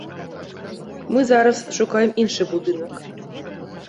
Мы зараз шукаем іншы будынак.